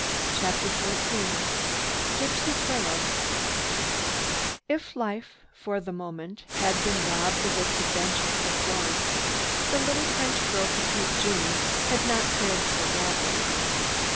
CHAPTER XIV GYPSY TRAIL If life, for the moment, had been robbed of its adventure for Florence, the little French girl Petite Jeanne had not fared so badly.